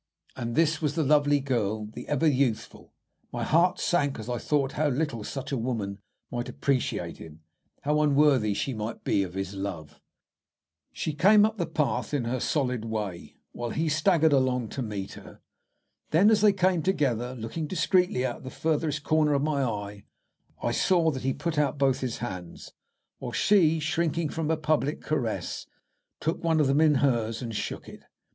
And this was the lovely girl, the ever youthful! My heart sank as I thought how little such a woman might appreciate him, how unworthy she might be of his love. She came up the path in her solid way, while he staggered along to meet her. Then, as they came together, looking discreetly out of the furthest corner of my eye, I saw that he put out both his hands, while she, shrinking from a public caress, took one of them in hers and shook it.